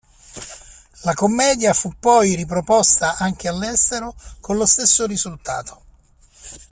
La commedia fu poi riproposta anche all'estero con lo stesso risultato.